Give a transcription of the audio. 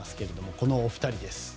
このお二人です。